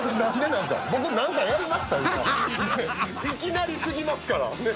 いきなり過ぎますから。